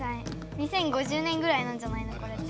２０５０年ぐらいなんじゃないのこれって。